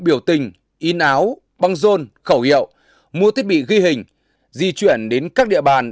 biểu tình in áo băng rôn khẩu hiệu mua thiết bị ghi hình di chuyển đến các địa bàn